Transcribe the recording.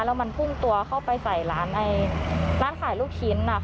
แล้วมันพุ่งตัวเข้าไปใส่ร้านขายลูกชิ้น